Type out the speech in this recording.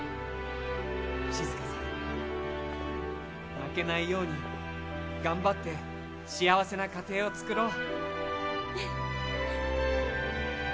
しずかさん、負けないように頑張って幸せな家庭を作ろう。